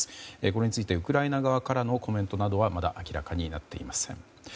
これについてウクライナ側からのコメントなどはまだ明らかになっていません。